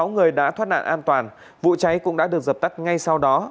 một mươi sáu người đã thoát nạn an toàn vụ cháy cũng đã được dập tắt ngay sau đó